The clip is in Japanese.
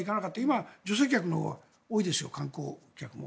今は女性客のほうが多いでしょう観光も。